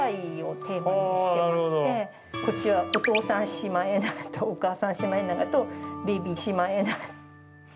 こっちはお父さんシマエナガとお母さんシマエナガとベビーシマエナガ。